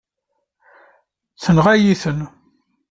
Tenɣa-yi-ten.